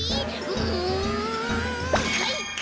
うんかいか！